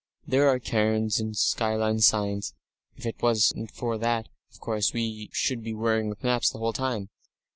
There are cairns and skyline signs. If it wasn't for that, of course we should be worrying with maps the whole time.